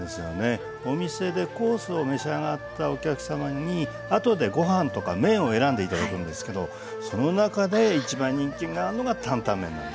お店でコースを召し上がったお客様に後でご飯とか麺を選んで頂くんですけどその中で一番人気があるのが担々麺なんですよね。